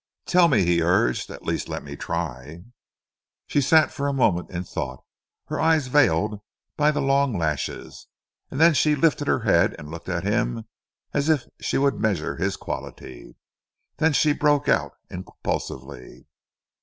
"Tell me," he urged. "At least let me try." She sat for a moment in thought, her eyes veiled by the long lashes, then she lifted her head and looked at him as if she would measure his quality. Then she broke, out impulsively.